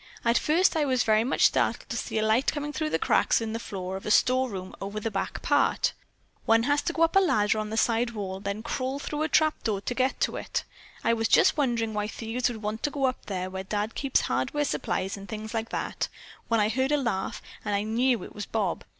At first I was very much startled to see a light coming through cracks in the floor of a storeroom over the back part. One has to go up a ladder on the side wall and then crawl through a trapdoor to get to it. I was just wondering why thieves would want to go up there where Dad keeps hardware supplies and things like that, when I heard a laugh, and I knew it was Bob.